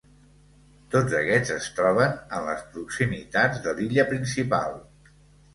Tots aquests es troben en les proximitats de l'illa principal.